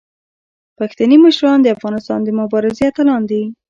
پښتني مشران د افغانستان د مبارزې اتلان دي.